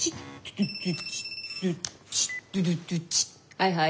はいはい。